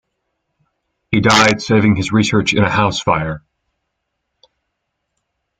He died saving his research in a house fire.